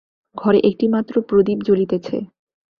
ঘরে একটি মাত্র প্রদীপ জ্বলিতেছে।